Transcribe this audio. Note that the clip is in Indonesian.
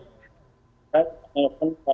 kita mengeluarkan operasi orang jepang